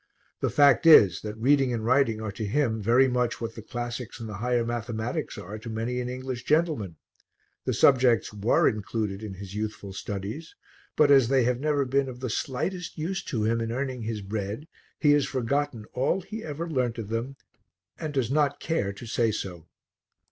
The fact is that reading and writing are to him very much what the classics and the higher mathematics are to many an English gentleman the subjects were included in his youthful studies, but as they have never been of the slightest use to him in earning his bread, he has forgotten all he ever learnt of them, and does not care to say so.